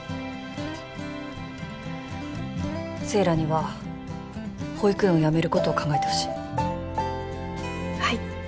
セイラには保育園を辞めることを考えてほしいはい